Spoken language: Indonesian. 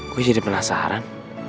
gua jadi penasaran